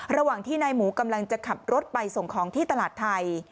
ระหว่างที่นายหมูกำลังจะขับรถไปส่งของที่ตลาดไทย